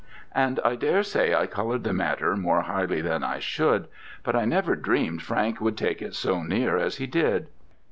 And I daresay I coloured the matter more highly than I should: but I never dreamed Frank would take it so near as he did."